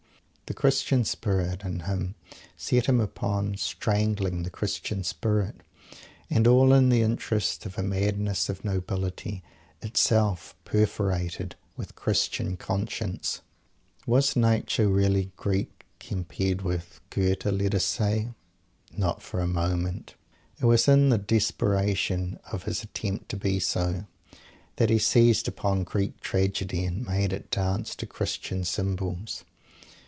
The Christian spirit, in him set him upon strangling the Christian spirit and all in the interest of a madness of nobility, itself perforated with Christian conscience! Was Nietzsche really Greek, compared with Goethe, let us say? Not for a moment. It was in the desperation of his attempt to be so, that he seized upon Greek tragedy and made it dance to Christian cymbals!